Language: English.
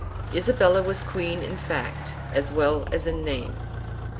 1 Isabella was queen in fact as well as in name.